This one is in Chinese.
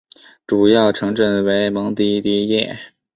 主要城镇为蒙迪迪耶。